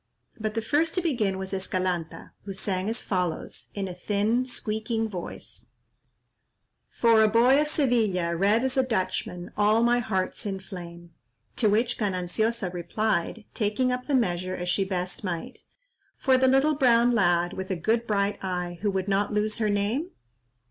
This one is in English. But the first to begin was Escalanta, who sang as follows, in a thin squeaking voice:— "For a boy of Sevilla, Red as a Dutchman, All my heart's in flame." To which Gananciosa replied, taking up the measure as she best might— "For the little brown lad, With a good bright eye, Who would not lose her name?"